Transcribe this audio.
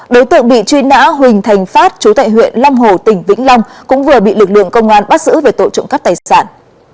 đối tượng bị truy nã huỳnh thành phát chú tại huyện long hồ tỉnh vĩnh long cũng vừa bị lực lượng công an bắt giữ về tội trộm cắp tài sản